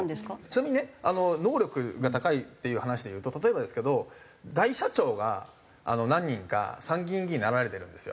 ちなみにね能力が高いっていう話でいうと例えばですけど大社長が何人か参議院議員になられてるんですよ。